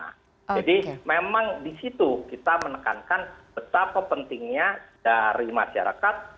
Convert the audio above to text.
jadi memang di situ kita menekankan betapa pentingnya dari masyarakat